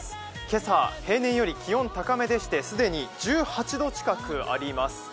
今朝、平年より気温高めですし既に１８度近くあります。